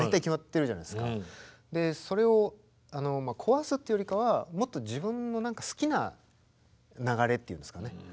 それを壊すっていうよりかはもっと自分の好きな流れっていうんですかね。